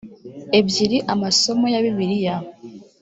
ebyiri amasomo ya bibiliya